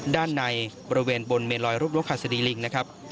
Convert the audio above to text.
ด้านในบริเวณบนเมลอยรูปนกหัสดีลิงนะครับ